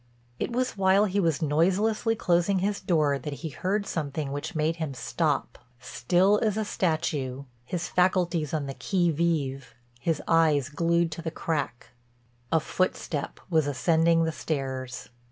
It was while he was noiselessly closing his door that he heard something which made him stop, still as a statue, his faculties on the qui vive, his eye glued to the crack—a footstep was ascending the stairs.